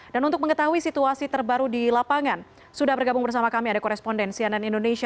dan untuk mengetahui situasi terbaru di lapangan sudah bergabung bersama kami ada korespondensi yang dan indonesia